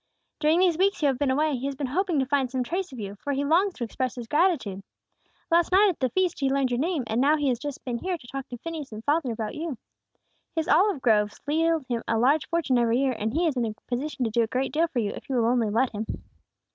During these weeks you have been away, he has been hoping to find some trace of you, for he longs to express his gratitude. Last night at the feast, he learned your name, and now he has just been here to talk to Phineas and father about you. His olive groves yield him a large fortune every year, and he is in a position to do a great deal for you, if you will only let him."